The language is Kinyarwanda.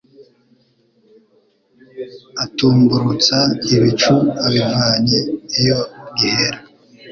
Atumburutsa ibicu abivanye iyo gihera